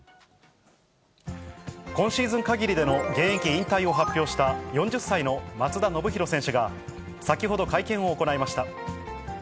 今シーズンかぎりでの現役引退を発表した４０歳の松田宣浩選手が、先ほど、会見を行いました。